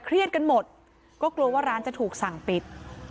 กันหมดก็กลัวว่าร้านจะถูกสั่งปิด